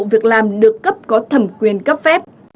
việc làm được cấp có thẩm quyền cấp phép